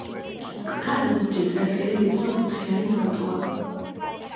მკრთალი ლურჯი წერტილი ვიწრო კუთხიანი ფოტოა.